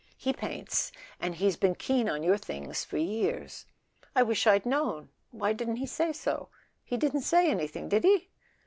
He paints, and he's been keen on your things for years." "I wish I'd known... Why didn't he say so? He didn't say anything, did he?"